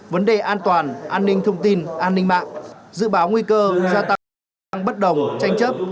vấn đề an toàn an ninh thông tin an ninh mạng dự báo nguy cơ gia tăng bất đồng tranh chấp